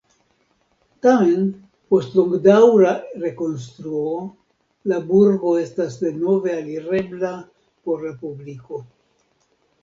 Tamen post longdaŭra rekonstruo la burgo estas denove alirebla por la publiko.